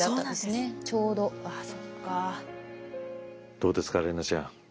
どうですか怜奈ちゃん。